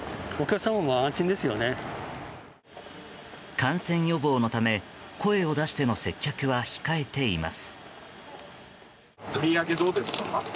感染予防のため声を出しての接客は控えています。